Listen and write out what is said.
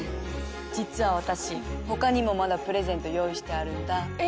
実は私他にもまだプレゼント用意してあるんだ。え！